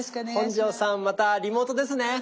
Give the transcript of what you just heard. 本上さんまたリモートですね？